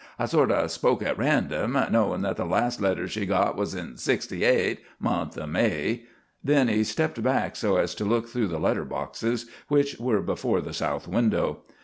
I sort o' spoke at random, knowin' that the last letter she got was in '68, month o' May." Then he stepped back so as to look through the letter boxes, which were before the south window.